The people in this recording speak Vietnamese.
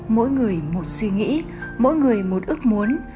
mỗi người một suy nghĩ mỗi người một ước muốn